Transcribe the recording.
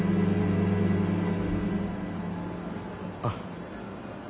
あっ。